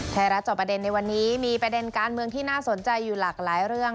จอบประเด็นในวันนี้มีประเด็นการเมืองที่น่าสนใจอยู่หลากหลายเรื่อง